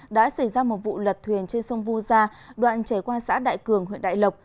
đã xảy ra một vụ lật thuyền trên sông vu gia đoạn chảy qua xã đại cường huyện đại lộc